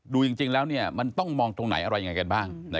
ดูจริงแล้วมันต้องมองตรงไหนอะไรยังไงกันบ้าง